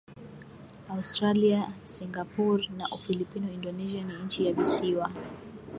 Australia Singapur na Ufilipino Indonesia ni nchi ya visiwa